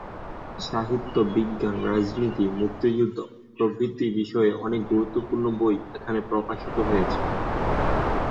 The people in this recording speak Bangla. সাহিত্য, বিজ্ঞান, রাজনীতি, মুক্তিযুদ্ধ প্রভৃতি বিষয়ে অনেক গুরুত্বপূর্ণ বই এখানে প্রকাশিত হয়েছে।